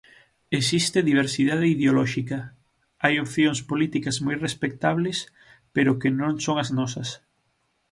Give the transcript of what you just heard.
Existe diversidade ideolóxica: hai opcións políticas moi respectables, pero que non son as nosas.